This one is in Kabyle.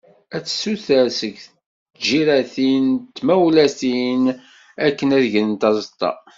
Ad tessuter seg tǧiratin d tmawlatin, akken ad grent aẓeṭṭa.